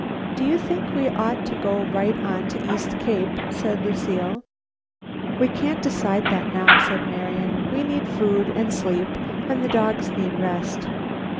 "Do you think we ought to go right on to East Cape?" said Lucile. "We can't decide that now," said Marian. "We need food and sleep and the dogs need rest."